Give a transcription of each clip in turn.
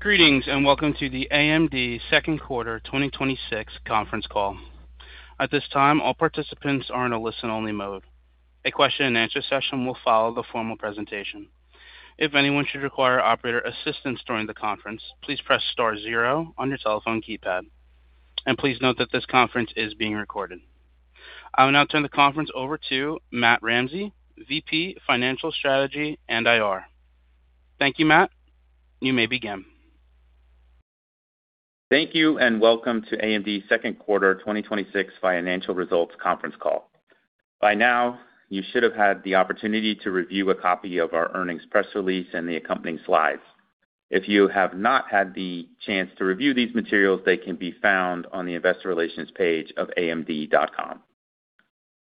Greetings, welcome to the AMD second quarter 2026 conference call. At this time, all participants are in a listen-only mode. A question-and-answer session will follow the formal presentation. If anyone should require operator assistance during the conference, please press star zero on your telephone keypad. Please note that this conference is being recorded. I will now turn the conference over to Matt Ramsay, VP of Financial Strategy and IR. Thank you, Matt. You may begin. Thank you, welcome to AMD's second quarter 2026 financial results conference call. By now, you should have had the opportunity to review a copy of our earnings press release and the accompanying slides. If you have not had the chance to review these materials, they can be found on the investor relations page of amd.com.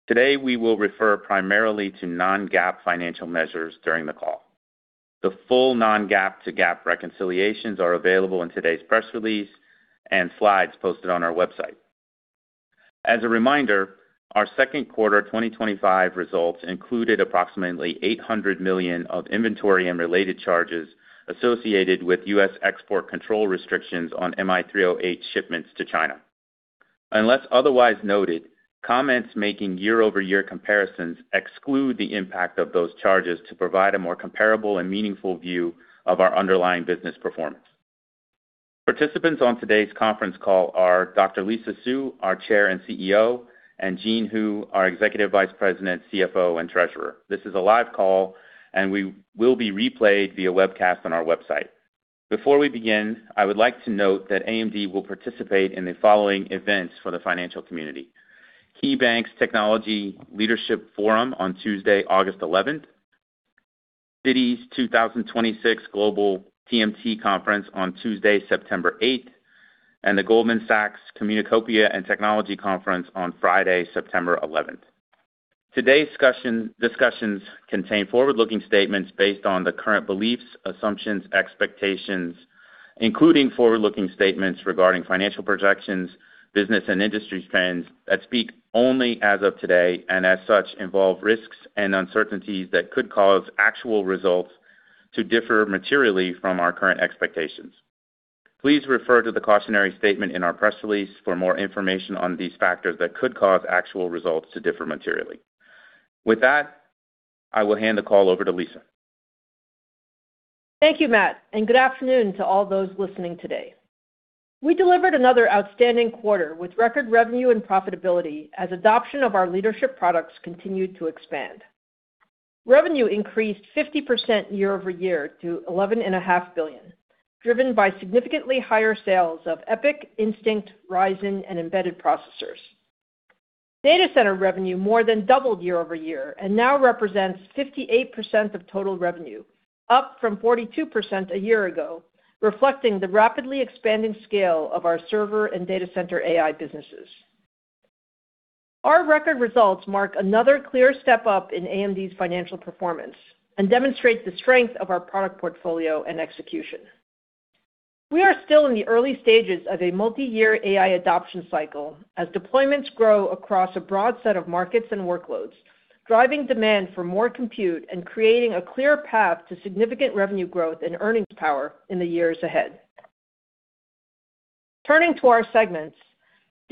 Today, we will refer primarily to non-GAAP financial measures during the call. The full non-GAAP to GAAP reconciliations are available in today's press release and slides posted on our website. As a reminder, our second quarter 2025 results included approximately $800 million of inventory and related charges associated with US export control restrictions on MI308 shipments to China. Unless otherwise noted, comments making year-over-year comparisons exclude the impact of those charges to provide a more comparable and meaningful view of our underlying business performance. Participants on today's conference call are Dr. Lisa Su, our Chair and CEO, Jean Hu, our Executive Vice President, CFO, and Treasurer. This is a live call, will be replayed via webcast on our website. Before we begin, I would like to note that AMD will participate in the following events for the financial community: KeyBank's Technology Leadership Forum on Tuesday, August 11th, Citi's 2026 Global TMT Conference on Tuesday, September 8th, and the Goldman Sachs Communacopia and Technology Conference on Friday, September 11th. Today's discussions contain forward-looking statements based on the current beliefs, assumptions, expectations, including forward-looking statements regarding financial projections, business and industry trends that speak only as of today, as such, involve risks and uncertainties that could cause actual results to differ materially from our current expectations. Please refer to the cautionary statement in our press release for more information on these factors that could cause actual results to differ materially. With that, I will hand the call over to Lisa. Thank you, Matt, and good afternoon to all those listening today. We delivered another outstanding quarter with record revenue and profitability as adoption of our leadership products continued to expand. Revenue increased 50% year-over-year to $11.5 billion, driven by significantly higher sales of EPYC, Instinct, Ryzen, and embedded processors. Data center revenue more than doubled year-over-year and now represents 58% of total revenue, up from 42% a year ago, reflecting the rapidly expanding scale of our server and data center AI businesses. Our record results mark another clear step up in AMD's financial performance and demonstrate the strength of our product portfolio and execution. We are still in the early stages of a multi-year AI adoption cycle as deployments grow across a broad set of markets and workloads, driving demand for more compute and creating a clear path to significant revenue growth and earnings power in the years ahead. Turning to our segments,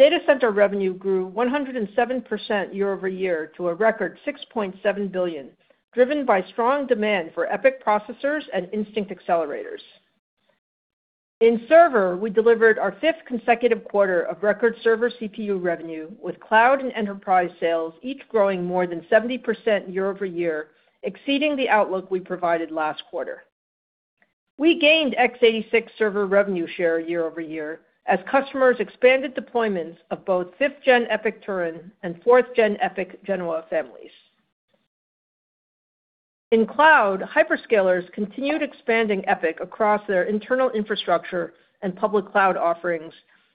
data center revenue grew 107% year-over-year to a record $6.7 billion, driven by strong demand for EPYC processors and Instinct accelerators. In server, we delivered our fifth consecutive quarter of record server CPU revenue, with cloud and enterprise sales each growing more than 70% year-over-year, exceeding the outlook we provided last quarter. We gained x86 server revenue share year-over-year as customers expanded deployments of both fifth-gen EPYC Turin and fourth-gen EPYC Genoa families. In cloud, hyperscalers continued expanding EPYC across their internal infrastructure and public cloud offerings,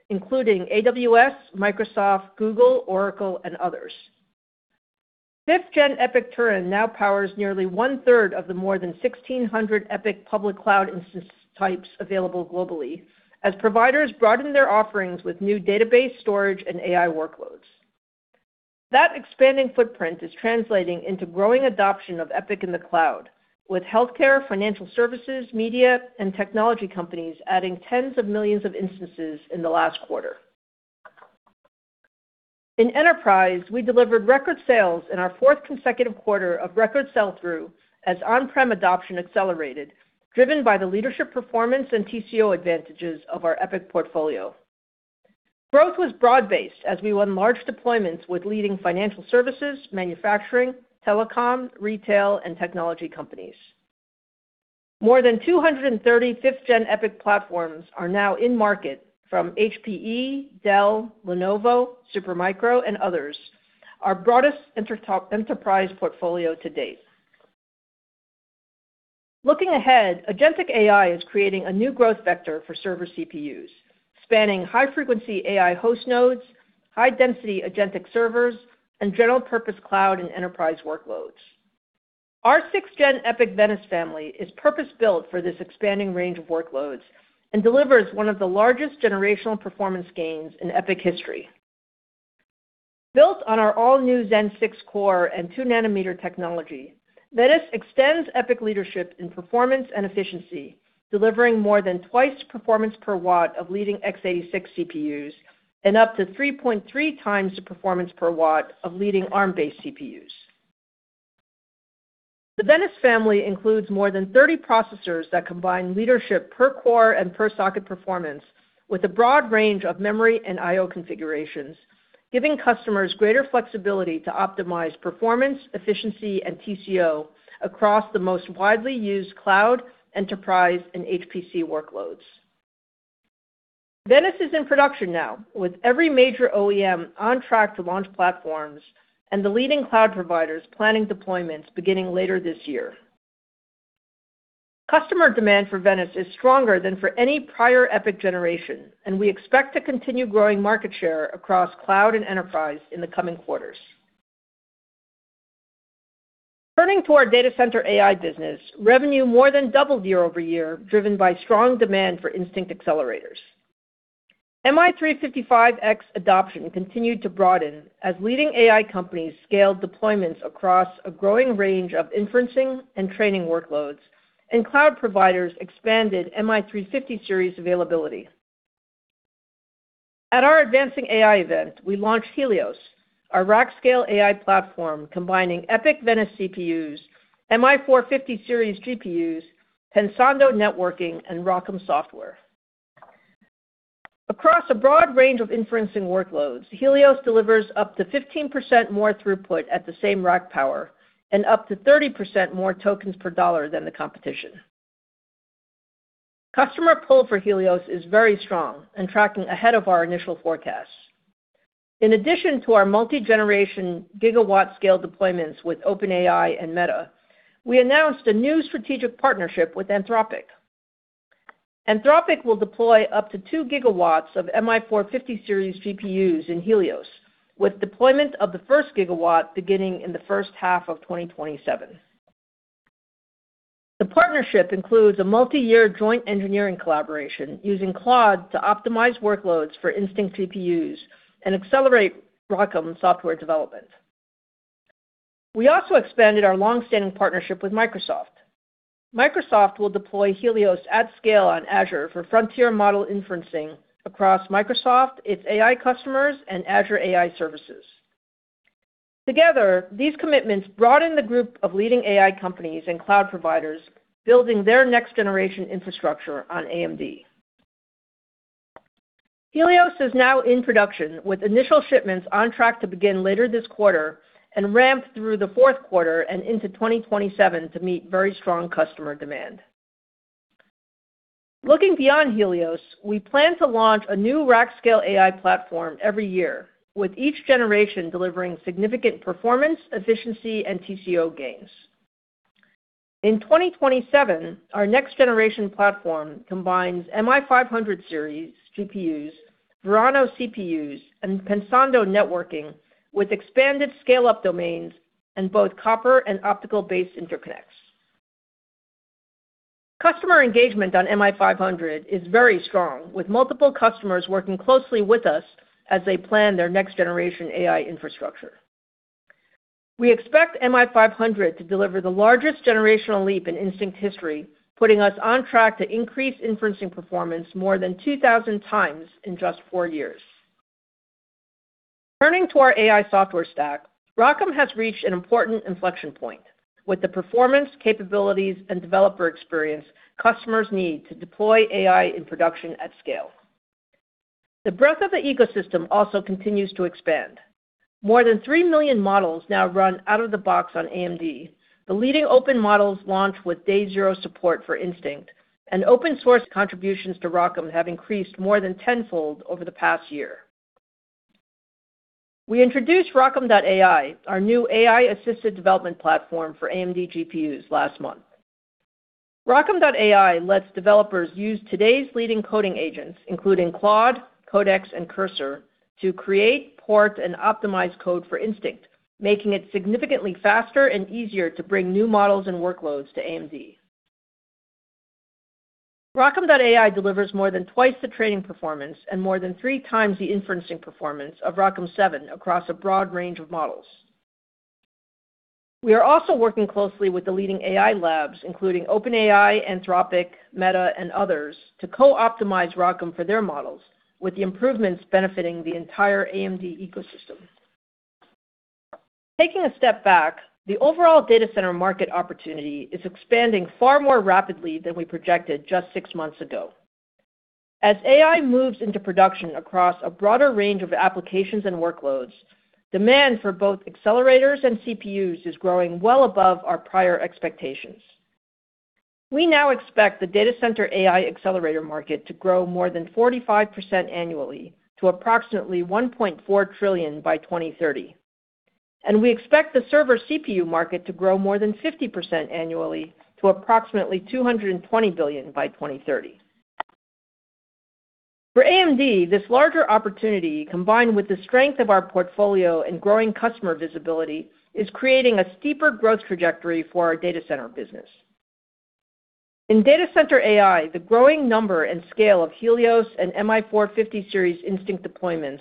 including AWS, Microsoft, Google, Oracle, and others. Fifth-gen EPYC Turin now powers nearly one-third of the more than 1,600 EPYC public cloud instance types available globally as providers broaden their offerings with new database storage and AI workloads. That expanding footprint is translating into growing adoption of EPYC in the cloud, with healthcare, financial services, media, and technology companies adding tens of millions of instances in the last quarter. In enterprise, we delivered record sales in our fourth consecutive quarter of record sell-through as on-prem adoption accelerated, driven by the leadership performance and TCO advantages of our EPYC portfolio. Growth was broad-based as we won large deployments with leading financial services, manufacturing, telecom, retail, and technology companies. More than 230 5th-gen EPYC platforms are now in market from HPE, Dell, Lenovo, Supermicro, and others, our broadest enterprise portfolio to date. Looking ahead, agentic AI is creating a new growth vector for server CPUs, spanning high-frequency AI host nodes, high-density agentic servers, and general-purpose cloud and enterprise workloads. Our 6th-gen EPYC Venice family is purpose-built for this expanding range of workloads and delivers one of the largest generational performance gains in EPYC history. Built on our all-new Zen 6 core and two nanometer technology, Venice extends EPYC leadership in performance and efficiency, delivering more than twice the performance per watt of leading x86 CPUs and up to 3.3x the performance per watt of leading Arm-based CPUs. The Venice family includes more than 30 processors that combine leadership per core and per socket performance with a broad range of memory and IO configurations, giving customers greater flexibility to optimize performance, efficiency, and TCO across the most widely used cloud, enterprise, and HPC workloads. Venice is in production now, with every major OEM on track to launch platforms and the leading cloud providers planning deployments beginning later this year. Customer demand for Venice is stronger than for any prior EPYC generation, and we expect to continue growing market share across cloud and enterprise in the coming quarters. Turning to our data center AI business, revenue more than doubled year-over-year, driven by strong demand for Instinct accelerators. MI355X adoption continued to broaden as leading AI companies scaled deployments across a growing range of inferencing and training workloads and cloud providers expanded MI350 series availability. At our Advancing AI event, we launched Helios, our rack scale AI platform combining EPYC Venice CPUs, MI450 series GPUs, Pensando networking, and ROCm software. Across a broad range of inferencing workloads, Helios delivers up to 15% more throughput at the same rack power and up to 30% more tokens per dollar than the competition. Customer pull for Helios is very strong and tracking ahead of our initial forecasts. In addition to our multi-generation gigawatt scale deployments with OpenAI and Meta, we announced a new strategic partnership with Anthropic. Anthropic will deploy up to 2 GWof MI450 series GPUs in Helios, with deployment of the first gigawatt beginning in the first half of 2027. The partnership includes a multi-year joint engineering collaboration using Claude to optimize workloads for Instinct CPUs and accelerate ROCm software development. We also expanded our longstanding partnership with Microsoft. Microsoft will deploy Helios at scale on Azure for frontier model inferencing across Microsoft, its AI customers, and Azure AI services. Together, these commitments broaden the group of leading AI companies and cloud providers building their next generation infrastructure on AMD. Helios is now in production with initial shipments on track to begin later this quarter and ramp through the fourth quarter and into 2027 to meet very strong customer demand. Looking beyond Helios, we plan to launch a new rack scale AI platform every year with each generation delivering significant performance, efficiency, and TCO gains. In 2027, our next generation platform combines MI500 series GPUs, Verona CPUs, and Pensando networking with expanded scale-up domains and both copper and optical-based interconnects. Customer engagement on MI500 is very strong, with multiple customers working closely with us as they plan their next generation AI infrastructure. We expect MI500 to deliver the largest generational leap in Instinct history, putting us on track to increase inferencing performance more than 2,000 times in just four years. Turning to our AI software stack, ROCm has reached an important inflection point with the performance, capabilities, and developer experience customers need to deploy AI in production at scale. The breadth of the ecosystem also continues to expand. More than 3 million models now run out of the box on AMD, the leading open models launch with day zero support for Instinct, and open source contributions to ROCm have increased more than tenfold over the past year. We introduced ROCm.AI, our new AI-assisted development platform for AMD GPUs, last month. ROCm.AI lets developers use today's leading coding agents, including Claude, Codex, and Cursor to create, port, and optimize code for Instinct, making it significantly faster and easier to bring new models and workloads to AMD. ROCm.AI delivers more than twice the training performance and more than three times the inferencing performance of ROCm 7 across a broad range of models. We are also working closely with the leading AI labs, including OpenAI, Anthropic, Meta, and others to co-optimize ROCm for their models with the improvements benefiting the entire AMD ecosystem. Taking a step back, the overall data center market opportunity is expanding far more rapidly than we projected just six months ago. As AI moves into production across a broader range of applications and workloads, demand for both accelerators and CPUs is growing well above our prior expectations. We now expect the data center AI accelerator market to grow more than 45% annually to approximately $1.4 trillion by 2030. We expect the server CPU market to grow more than 50% annually to approximately $220 billion by 2030. For AMD, this larger opportunity, combined with the strength of our portfolio and growing customer visibility, is creating a steeper growth trajectory for our data center business. In Data Center AI, the growing number and scale of Helios and MI450 Series Instinct deployments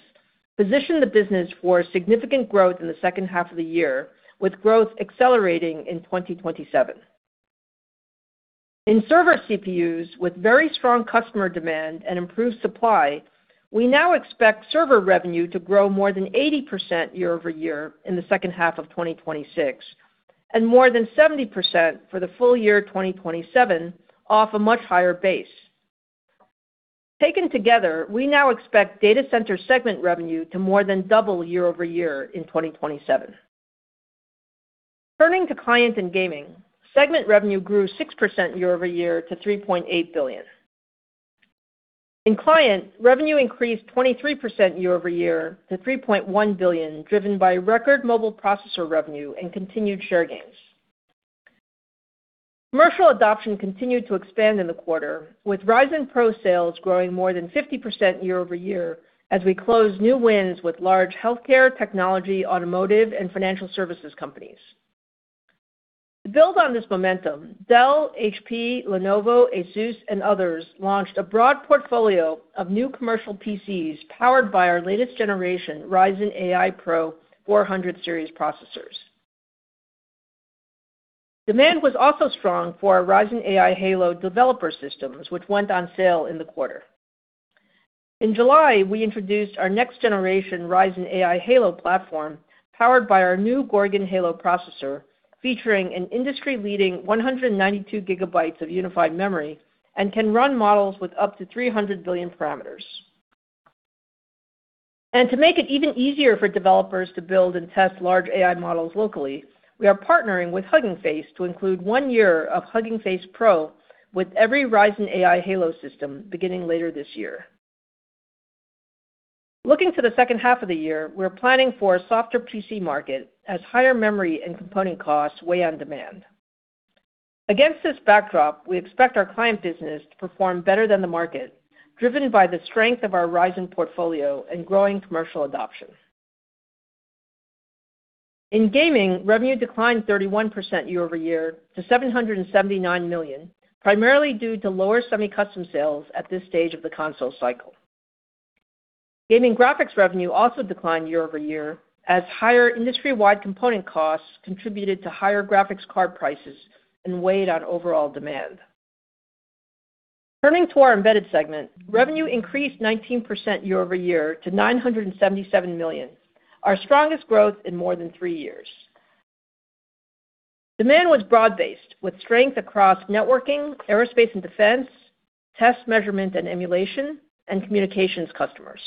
position the business for significant growth in the second half of the year, with growth accelerating in 2027. In server CPUs, with very strong customer demand and improved supply, we now expect server revenue to grow more than 80% year-over-year in the second half of 2026 and more than 70% for the full year 2027 off a much higher base. Taken together, we now expect data center segment revenue to more than double year-over-year in 2027. Turning to client and gaming, segment revenue grew 6% year-over-year to $3.8 billion. In client, revenue increased 23% year-over-year to $3.1 billion, driven by record mobile processor revenue and continued share gains. Commercial adoption continued to expand in the quarter, with Ryzen PRO sales growing more than 50% year-over-year as we closed new wins with large healthcare, technology, automotive, and financial services companies. To build on this momentum, Dell, HP, Lenovo, Asus, and others launched a broad portfolio of new commercial PCs powered by our latest generation Ryzen AI PRO 400 Series processors. Demand was also strong for our Ryzen AI Halo developer systems, which went on sale in the quarter. In July, we introduced our next generation Ryzen AI Halo platform, powered by our new Gorgon Halo processor, featuring an industry-leading 192 gigabytes of unified memory and can run models with up to 300 billion parameters. To make it even easier for developers to build and test large AI models locally, we are partnering with Hugging Face to include one year of Hugging Face Pro with every Ryzen AI Halo system beginning later this year. Looking to the second half of the year, we're planning for a softer PC market as higher memory and component costs weigh on demand. Against this backdrop, we expect our client business to perform better than the market, driven by the strength of our Ryzen portfolio and growing commercial adoption. In gaming, revenue declined 31% year-over-year to $779 million, primarily due to lower semi-custom sales at this stage of the console cycle. Gaming graphics revenue also declined year-over-year as higher industry-wide component costs contributed to higher graphics card prices and weighed on overall demand. Turning to our embedded segment, revenue increased 19% year-over-year to $977 million, our strongest growth in more than three years. Demand was broad-based with strength across networking, aerospace and defense, test measurement and emulation, and communications customers.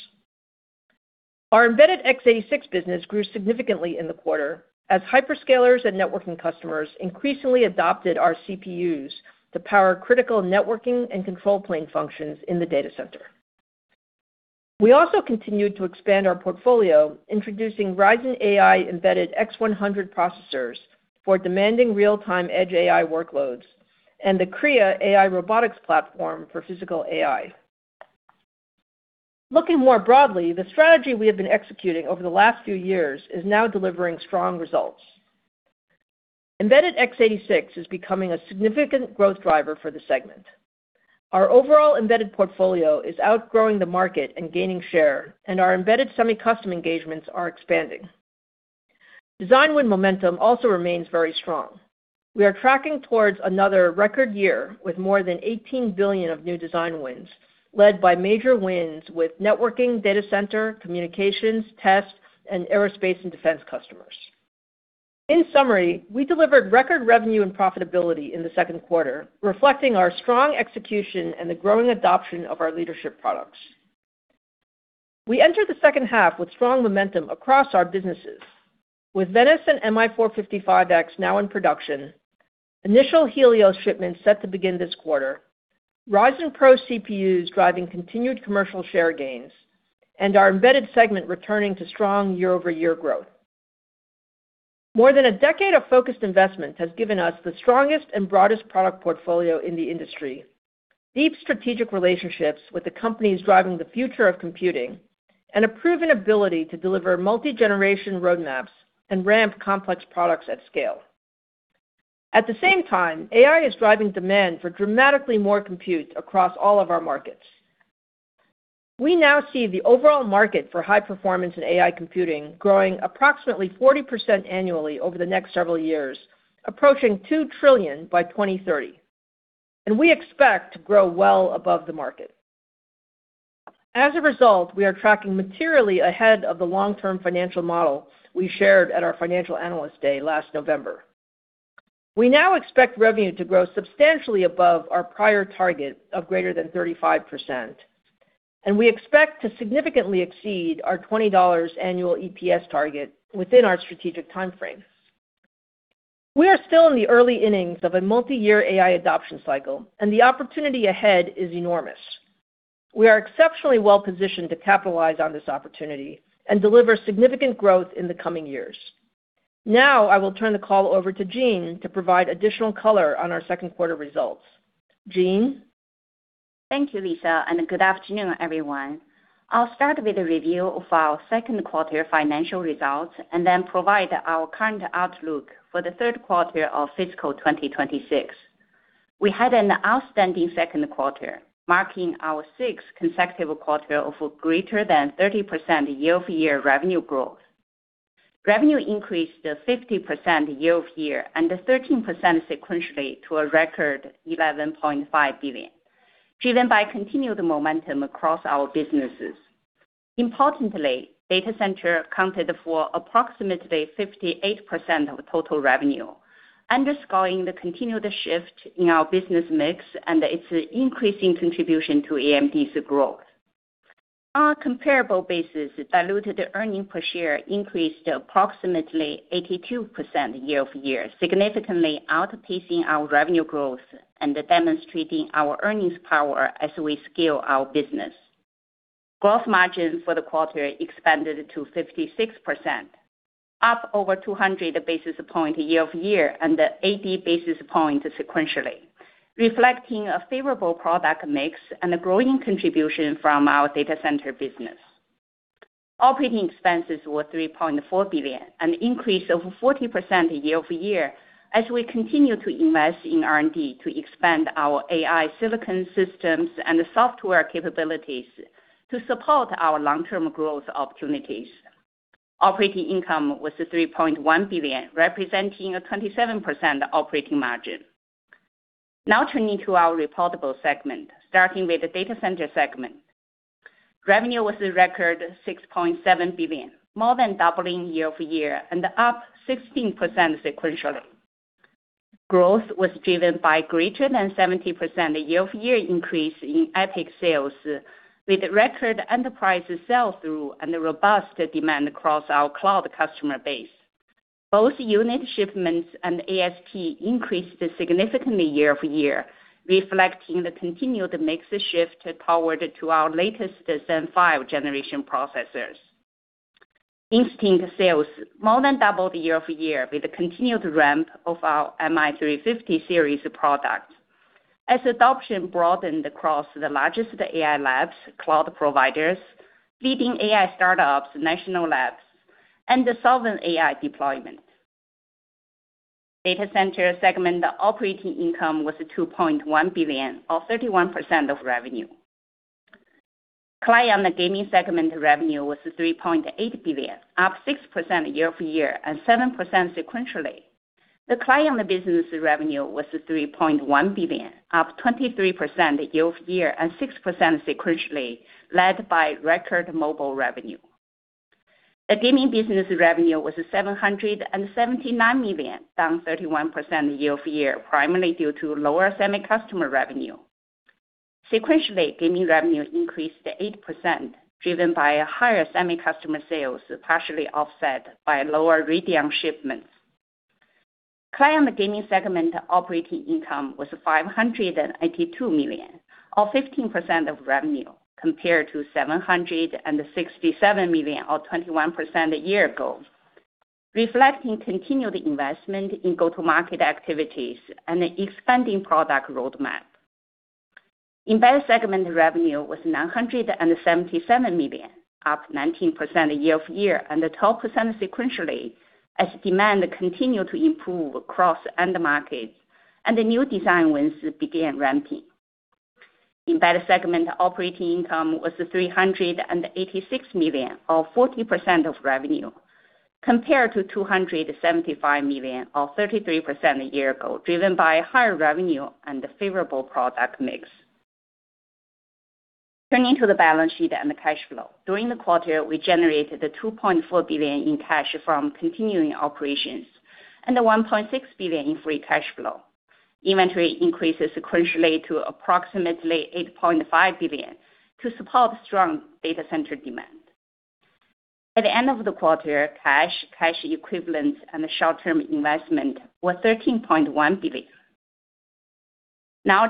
Our embedded x86 business grew significantly in the quarter as hyperscalers and networking customers increasingly adopted our CPUs to power critical networking and control plane functions in the data center. We also continued to expand our portfolio, introducing Ryzen AI Embedded X100 processors for demanding real-time edge AI workloads and the Kria AI robotics platform for physical AI. Looking more broadly, the strategy we have been executing over the last few years is now delivering strong results. Embedded x86 is becoming a significant growth driver for the segment. Our overall embedded portfolio is outgrowing the market and gaining share, and our embedded semi-custom engagements are expanding. Design win momentum also remains very strong. We are tracking towards another record year with more than $18 billion of new design wins, led by major wins with networking, data center, communications, tests, and aerospace and defense customers. In summary, we delivered record revenue and profitability in the second quarter, reflecting our strong execution and the growing adoption of our leadership products. We enter the second half with strong momentum across our businesses. With Venice and MI450X now in production, initial Helios shipments set to begin this quarter, Ryzen PRO CPUs driving continued commercial share gains, and our embedded segment returning to strong year-over-year growth. More than a decade of focused investment has given us the strongest and broadest product portfolio in the industry, deep strategic relationships with the companies driving the future of computing, and a proven ability to deliver multi-generation roadmaps and ramp complex products at scale. At the same time, AI is driving demand for dramatically more compute across all of our markets. We now see the overall market for high performance and AI computing growing approximately 40% annually over the next several years, approaching $2 trillion by 2030, and we expect to grow well above the market. As a result, we are tracking materially ahead of the long-term financial model we shared at our Financial Analyst Day last November. We now expect revenue to grow substantially above our prior target of greater than 35%, and we expect to significantly exceed our $20 annual EPS target within our strategic timeframe. We are still in the early innings of a multi-year AI adoption cycle, and the opportunity ahead is enormous. We are exceptionally well positioned to capitalize on this opportunity and deliver significant growth in the coming years. Now I will turn the call over to Jean to provide additional color on our second quarter results. Jean? Thank you, Lisa, and good afternoon, everyone. I'll start with a review of our second quarter financial results and then provide our current outlook for the third quarter of fiscal 2026. We had an outstanding second quarter, marking our sixth consecutive quarter of greater than 30% year-over-year revenue growth. Revenue increased 50% year-over-year and 13% sequentially to a record $11.5 billion, driven by continued momentum across our businesses. Importantly, data center accounted for approximately 58% of total revenue, underscoring the continued shift in our business mix and its increasing contribution to AMD's growth. On a comparable basis, diluted earnings per share increased approximately 82% year-over-year, significantly outpacing our revenue growth and demonstrating our earnings power as we scale our business. Gross margin for the quarter expanded to 56%, up over 200 basis points year-over-year and 80 basis points sequentially, reflecting a favorable product mix and a growing contribution from our data center business. Operating expenses were $3.4 billion, an increase of 40% year-over-year, as we continue to invest in R&D to expand our AI silicon systems and software capabilities to support our long-term growth opportunities. Operating income was $3.1 billion, representing a 27% operating margin. Now turning to our reportable segment, starting with the data center segment. Revenue was a record $6.7 billion, more than doubling year-over-year and up 16% sequentially. Growth was driven by greater than 70% year-over-year increase in EPYC sales, with record enterprise sell-through and robust demand across our cloud customer base. Both unit shipments and ASP increased significantly year-over-year, reflecting the continued mix shift toward our latest Zen 5 generation processors. Instinct sales more than doubled year-over-year with the continued ramp of our Instinct MI350 Series of products as adoption broadened across the largest AI labs, cloud providers, leading AI startups, national labs, and the sovereign AI deployment. Data center segment operating income was $2.1 billion, or 31% of revenue. Client and gaming segment revenue was $3.8 billion, up 6% year-over-year and 7% sequentially. The client business revenue was $3.1 billion, up 23% year-over-year and 6% sequentially, led by record mobile revenue. The gaming business revenue was $779 million, down 31% year-over-year, primarily due to lower semi-custom revenue. Sequentially, gaming revenue increased 8%, driven by higher semi-custom sales, partially offset by lower Radeon shipments. Client gaming segment operating income was $582 million or 15% of revenue, compared to $767 million or 21% a year ago, reflecting continued investment in go-to-market activities and an expanding product roadmap. Embedded segment revenue was $977 million, up 19% year-over-year and 12% sequentially as demand continued to improve across end markets and the new design wins began ramping. Embedded segment operating income was $386 million, or 40% of revenue, compared to $275 million or 33% a year ago, driven by higher revenue and the favorable product mix. Turning to the balance sheet and the cash flow. During the quarter, we generated $2.4 billion in cash from continuing operations and $1.6 billion in free cash flow. Inventory increased sequentially to approximately $8.5 billion to support strong data center demand. At the end of the quarter, cash equivalents, and short-term investment were $13.1 billion.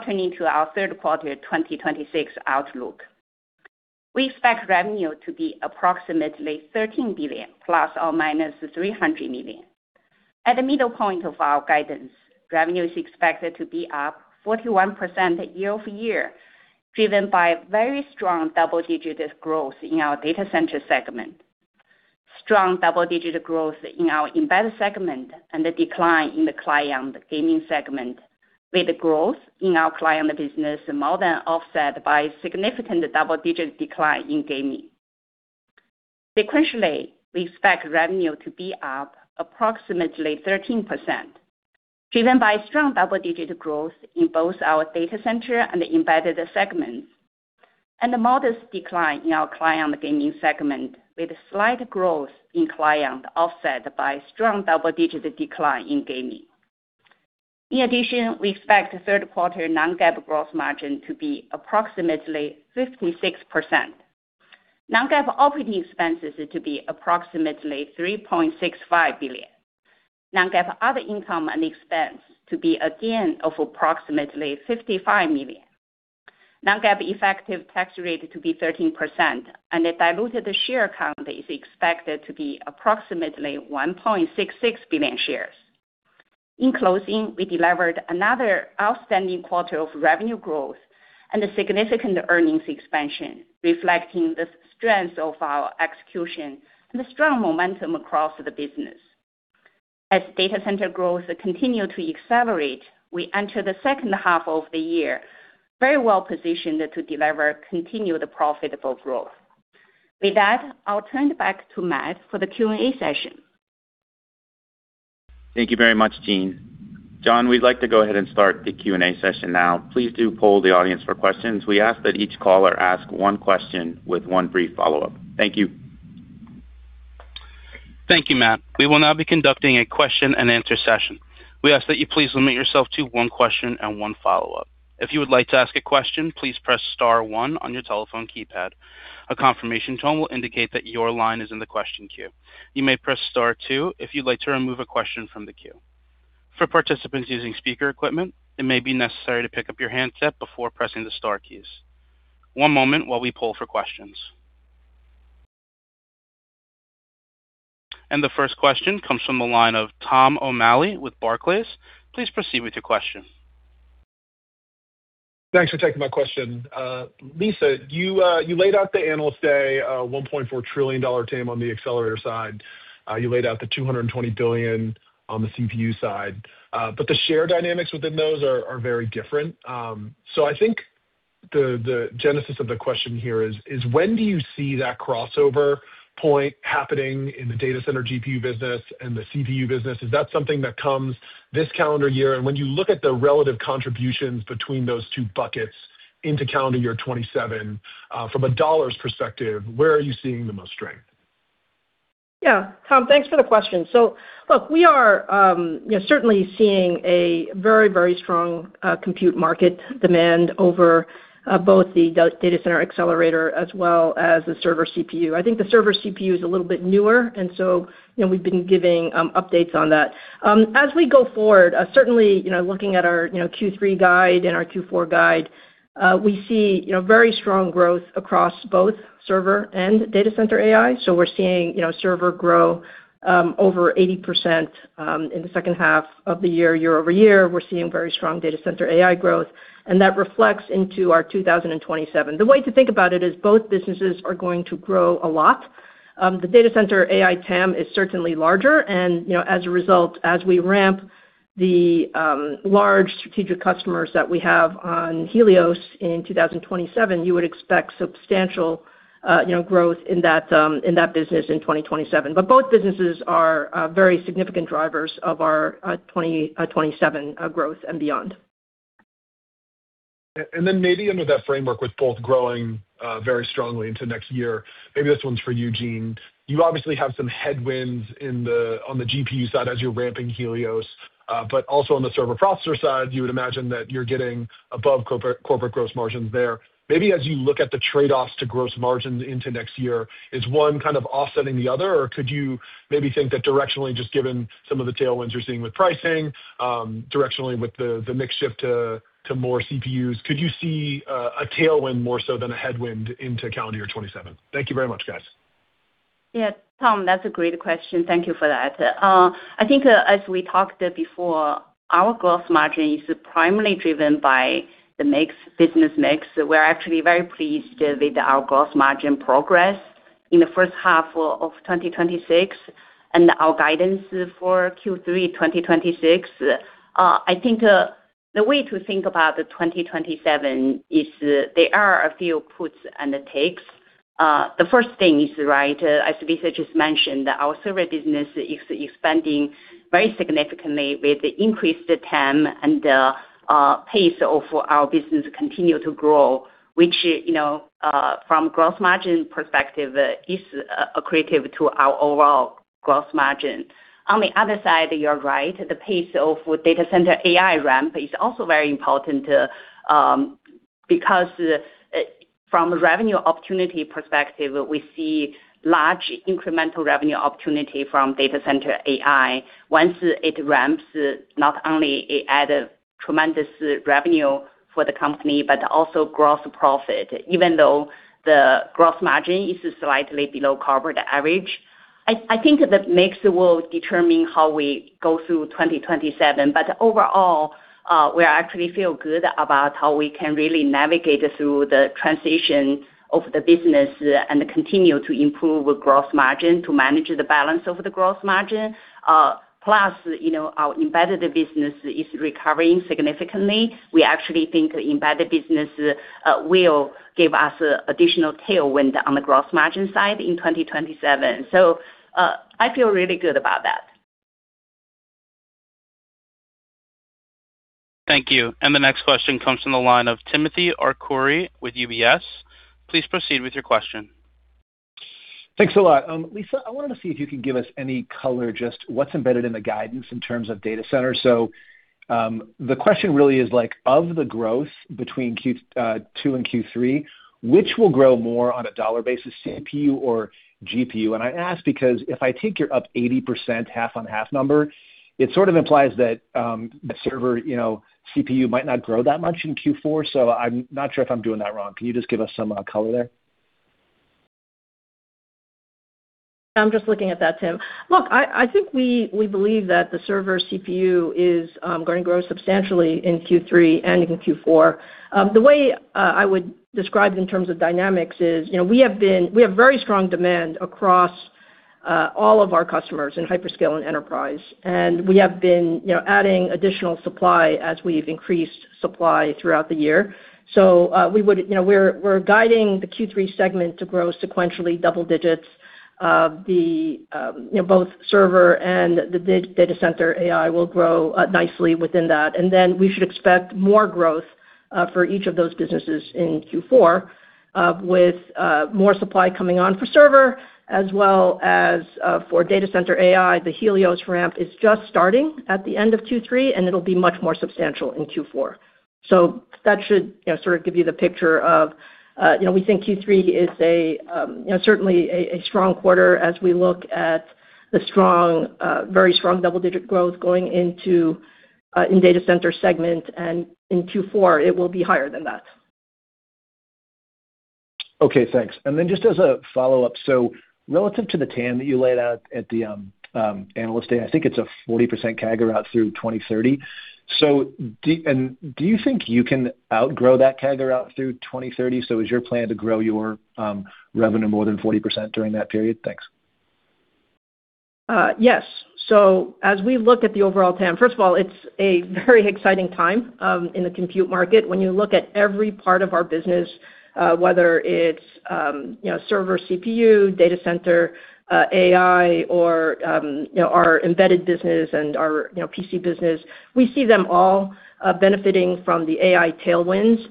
Turning to our third quarter 2026 outlook. We expect revenue to be approximately $13 billion ±$300 million. At the middle point of our guidance, revenue is expected to be up 41% year-over-year, driven by very strong double-digit growth in our Data Center segment, strong double-digit growth in our Embedded segment, and the decline in the Client Gaming segment with growth in our Client business more than offset by significant double-digit decline in Gaming. Sequentially, we expect revenue to be up approximately 13%, driven by strong double-digit growth in both our Data Center and Embedded segments and a modest decline in our Client Gaming segment with slight growth in Client offset by strong double-digit decline in Gaming. We expect third quarter non-GAAP gross margin to be approximately 56%, non-GAAP operating expenses to be approximately $3.65 billion, non-GAAP other income and expense to be again of approximately $55 million, non-GAAP effective tax rate to be 13%, and the diluted share count is expected to be approximately 1.66 billion shares. We delivered another outstanding quarter of revenue growth and a significant earnings expansion, reflecting the strength of our execution and the strong momentum across the business. As Data Center growth continue to accelerate, we enter the second half of the year very well-positioned to deliver continued profitable growth. With that, I'll turn it back to Matt for the Q&A session. Thank you very much, Jean. John, we'd like to go ahead and start the Q&A session now. Please do poll the audience for questions. We ask that each caller ask one question with one brief follow-up. Thank you. Thank you, Matt. We will now be conducting a question-and-answer session. We ask that you please limit yourself to one question and one follow-up. If you would like to ask a question, please press star one on your telephone keypad. A confirmation tone will indicate that your line is in the question queue. You may press star two if you'd like to remove a question from the queue. For participants using speaker equipment, it may be necessary to pick up your handset before pressing the star keys. One moment while we poll for questions. The first question comes from the line of Tom O'Malley with Barclays. Please proceed with your question. Thanks for taking my question. Lisa, you laid out the Analyst Day, $1.4 trillion TAM on the accelerator side. You laid out the $220 billion on the CPU side. The share dynamics within those are very different. I think the genesis of the question here is, when do you see that crossover point happening in the data center GPU business and the CPU business? Is that something that comes this calendar year? When you look at the relative contributions between those two buckets into calendar year 2027, from a dollars perspective, where are you seeing the most strength? Yeah. Tom, thanks for the question. Look, we are certainly seeing a very strong compute market demand over both the data center accelerator as well as the server CPU. I think the server CPU is a little bit newer, we've been giving updates on that. As we go forward, certainly, looking at our Q3 guide and our Q4 guide, we see very strong growth across both server and data center AI. We're seeing server grow over 80% in the second half of the year-over-year. We're seeing very strong data center AI growth, and that reflects into our 2027. The way to think about it is both businesses are going to grow a lot. The data center AI TAM is certainly larger, as a result, as we ramp the large strategic customers that we have on Helios in 2027, you would expect substantial growth in that business in 2027. Both businesses are very significant drivers of our 2027 growth and beyond. Maybe under that framework with both growing very strongly into next year. Maybe this one's for you, Jean. You obviously have some headwinds on the GPU side as you're ramping Helios. Also on the server processor side, you would imagine that you're getting above corporate gross margins there. Maybe as you look at the trade-offs to gross margins into next year, is one kind of offsetting the other? Could you maybe think that directionally, just given some of the tailwinds you're seeing with pricing, directionally with the mix shift to more CPUs, could you see a tailwind more so than a headwind into calendar year 2027? Thank you very much, guys. Yeah. Tom, that's a great question. Thank you for that. I think as we talked before, our gross margin is primarily driven by the business mix. We're actually very pleased with our gross margin progress in the first half of 2026 and our guidance for Q3 2026. I think the way to think about the 2027 is there are a few puts and takes. The first thing is, as Lisa just mentioned, our server business is expanding very significantly with the increased TAM and the pace of our business continue to grow, which from gross margin perspective is accretive to our overall gross margin. On the other side, you're right, the pace of data center AI ramp is also very important, because from a revenue opportunity perspective, we see large incremental revenue opportunity from data center AI. Once it ramps, not only it add a tremendous revenue for the company, but also gross profit, even though the gross margin is slightly below corporate average. I think the mix will determine how we go through 2027. Overall, we actually feel good about how we can really navigate through the transition of the business and continue to improve gross margin to manage the balance of the gross margin. Plus, our embedded business is recovering significantly. We actually think embedded business will give us additional tailwind on the gross margin side in 2027. I feel really good about that. Thank you. The next question comes from the line of Timothy Arcuri with UBS. Please proceed with your question. Thanks a lot. Lisa, I wanted to see if you could give us any color, just what's embedded in the guidance in terms of data center. The question really is like, of the growth between Q2 and Q3, which will grow more on a dollar basis, CPU or GPU? I ask because if I take your up 80% half-on-half number, it sort of implies that the server CPU might not grow that much in Q4. I'm not sure if I'm doing that wrong. Can you just give us some color there? I'm just looking at that, Tim. Look, I think we believe that the server CPU is going to grow substantially in Q3 and in Q4. The way I would describe it in terms of dynamics is we have very strong demand across all of our customers in hyperscale and enterprise, and we have been adding additional supply as we've increased supply throughout the year. We're guiding the Q3 segment to grow sequentially double digits. Both server and the data center AI will grow nicely within that. We should expect more growth for each of those businesses in Q4, with more supply coming on for server as well as for data center AI. The Helios ramp is just starting at the end of Q3, and it'll be much more substantial in Q4. That should sort of give you the picture of, we think Q3 is certainly a strong quarter as we look at the very strong double-digit growth going in data center segment, and in Q4, it will be higher than that. Okay, thanks. Just as a follow-up, relative to the TAM that you laid out at the Analyst Day, I think it's a 40% CAGR out through 2030. Do you think you can outgrow that CAGR out through 2030? Is your plan to grow your revenue more than 40% during that period? Thanks. Yes. As we look at the overall TAM, first of all, it's a very exciting time in the compute market. When you look at every part of our business, whether it's server CPU, data center, AI, or our embedded business and our PC business, we see them all benefiting from the AI tailwinds.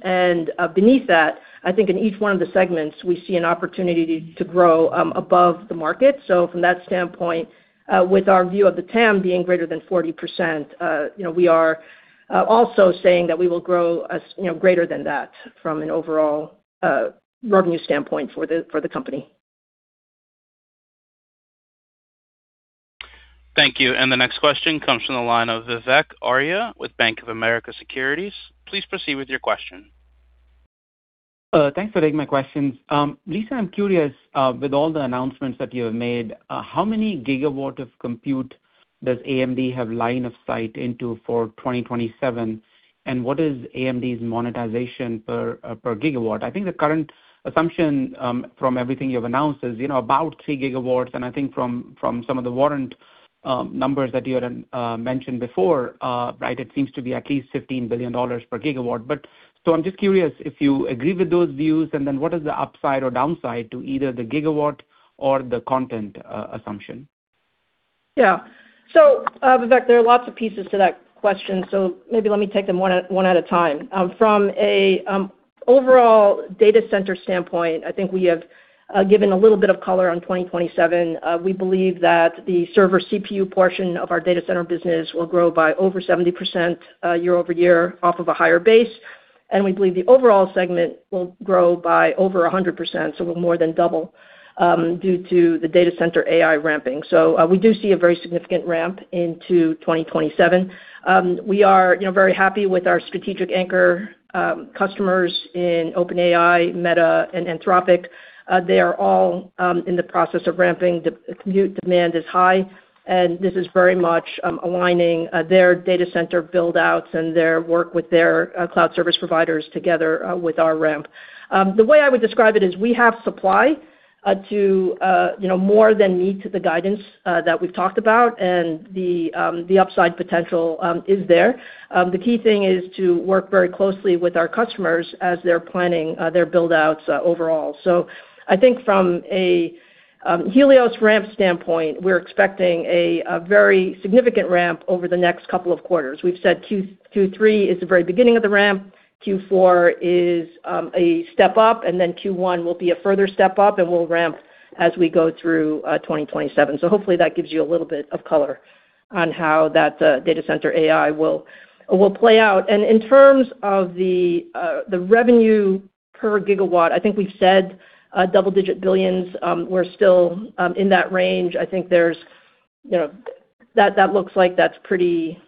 Beneath that, I think in each one of the segments, we see an opportunity to grow above the market. From that standpoint, with our view of the TAM being greater than 40%, we are also saying that we will grow greater than that from an overall revenue standpoint for the company. Thank you. The next question comes from the line of Vivek Arya with Bank of America Securities. Please proceed with your question. Thanks for taking my questions. Lisa, I'm curious, with all the announcements that you have made, how many gigawatt of compute does AMD have line of sight into for 2027, and what is AMD's monetization per gigawatt? I think the current assumption, from everything you've announced, is about three gigawatts, and I think from some of the warrant numbers that you had mentioned before, it seems to be at least $15 billion per gigawatt. I'm just curious if you agree with those views, and then what is the upside or downside to either the gigawatt or the content assumption? Vivek, there are lots of pieces to that question, maybe let me take them one at a time. From an overall data center standpoint, I think we have given a little bit of color on 2027. We believe that the server CPU portion of our data center business will grow by over 70% year-over-year off of a higher base, and we believe the overall segment will grow by over 100%, more than double, due to the data center AI ramping. We do see a very significant ramp into 2027. We are very happy with our strategic anchor customers in OpenAI, Meta, and Anthropic. They are all in the process of ramping. Compute demand is high, and this is very much aligning their data center build-outs and their work with their cloud service providers together with our ramp. The way I would describe it is we have supply to more than meet the guidance that we've talked about, and the upside potential is there. The key thing is to work very closely with our customers as they're planning their build-outs overall. I think from a Helios ramp standpoint, we're expecting a very significant ramp over the next couple of quarters. We've said Q3 is the very beginning of the ramp, Q4 is a step up, and then Q1 will be a further step up, and we'll ramp as we go through 2027. Hopefully that gives you a little bit of color on how that data center AI will play out. In terms of the revenue per gigawatt, I think we've said double-digit billions. We're still in that range. I think that looks like that's pretty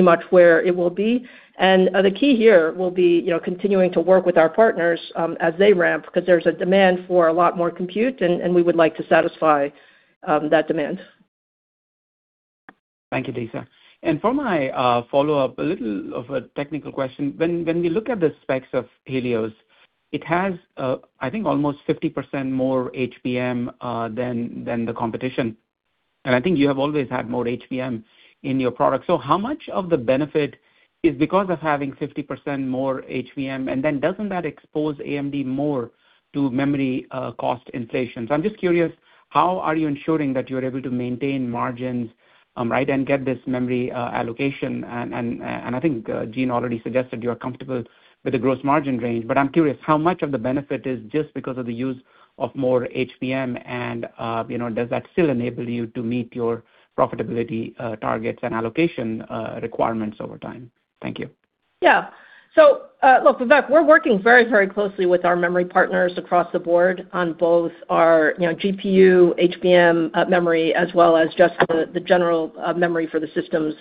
much where it will be. The key here will be continuing to work with our partners as they ramp, because there's a demand for a lot more compute, and we would like to satisfy that demand. Thank you, Lisa. For my follow-up, a little of a technical question. When we look at the specs of Helios, it has I think almost 50% more HBM than the competition, and I think you have always had more HBM in your product. How much of the benefit is because of having 50% more HBM? Doesn't that expose AMD more to memory cost inflation? I'm just curious, how are you ensuring that you're able to maintain margins and get this memory allocation? I think Jean already suggested you're comfortable with the gross margin range, but I'm curious how much of the benefit is just because of the use of more HBM, and does that still enable you to meet your profitability targets and allocation requirements over time? Thank you. Yeah. Look, Vivek, we're working very closely with our memory partners across the board on both our GPU, HBM memory, as well as just the general memory for the systems